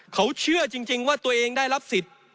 เขาเชื่อจริงว่าตัวเองได้รับสิทธิ์